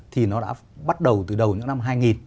thì nó đã bắt đầu từ đầu những năm hai nghìn